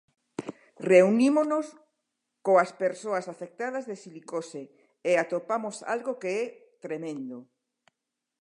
Reunímonos coas persoas afectadas de silicose e atopamos algo que é tremendo.